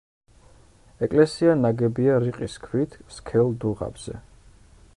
ეკლესია ნაგებია რიყის ქვით სქელ დუღაბზე.